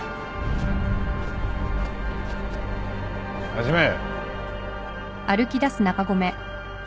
始め。